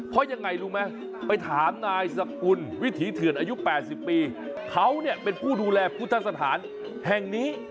เพราะยังไงรู้ไหมไปถามนายสกุลวิถีเถื่อนอายุ๘๐ปีเขาเนี่ยเป็นผู้ดูแลพุทธสถานแห่งนี้